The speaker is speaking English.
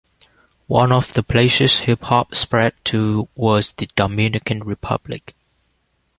One of the places hip hop spread to was the Dominican Republic.